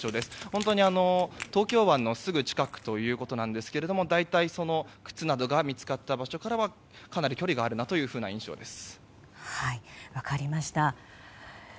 本当に東京湾のすぐ近くということなんですが大体、靴などが見つかった場所からはかなり距離がある印象です。